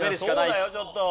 そうだよちょっと。